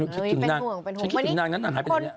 คิดถึงนั่งฉันคิดถึงนั่งฉันหายเป็นแบบนี้